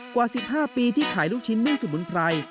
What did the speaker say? กว่า๑๕ปีที่ขายลูกชิ้นนึ่งสมุนไพร